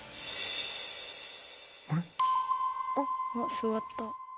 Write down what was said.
座った。